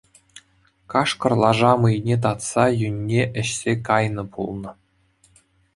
Кашкӑр лаша мӑйне татса юнне ӗҫсе кайнӑ пулнӑ.